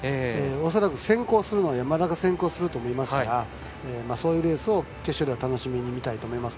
恐らくは山田が先行すると思うのでそういうレースを決勝では楽しみに見たいと思います。